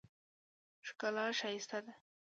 ښکلا ښایسته ده.